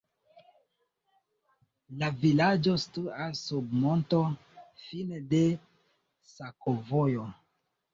La vilaĝo situas sub monto, fine de sakovojo.